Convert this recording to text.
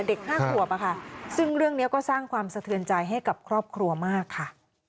เด็ก๕ขวบอะค่ะซึ่งเรื่องนี้ก็สร้างความสะเทือนใจให้กับครอบครัวมากค่ะ